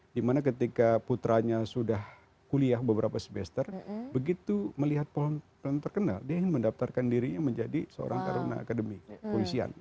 dimana ketika putranya sudah kuliah beberapa semester begitu melihat pohon terkenal dia ingin mendaftarkan dirinya menjadi seorang taruna akademi kepolisian